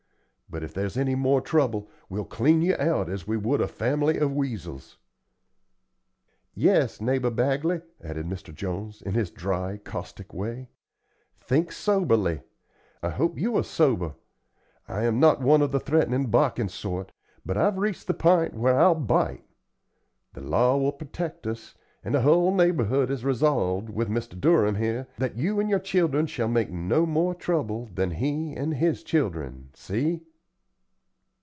But if there's any more trouble, we'll clean you out as we would a family of weasels." "Yes, neighbor Bagley," added Mr. Jones, in his dry, caustic way, "think soberly. I hope you are sober. I'm not one of the threatening barkin' sort, but I've reached the p'int where I'll bite. The law will protect us, an' the hull neighborhood has resolved, with Mr. Durham here, that you and your children shall make no more trouble than he and his children. See?"